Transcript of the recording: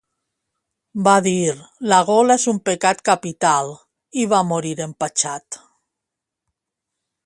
Va dir la gola és un pecat capital i va morir empatxat